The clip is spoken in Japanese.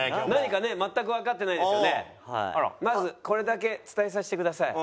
まずこれだけ伝えさせてください。